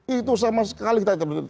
itu sama sekali kita tidak tahu